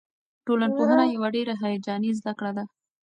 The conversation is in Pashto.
ټولنپوهنه یوه ډېره هیجاني زده کړه ده.